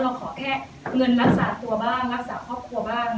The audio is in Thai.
ขอแค่เงินรักษาตัวบ้างรักษาครอบครัวบ้าง